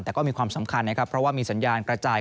แต่ก็มีความสำคัญนะครับเพราะว่ามีสัญญาณกระจาย